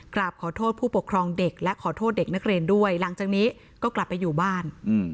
กราบขอโทษผู้ปกครองเด็กและขอโทษเด็กนักเรียนด้วยหลังจากนี้ก็กลับไปอยู่บ้าน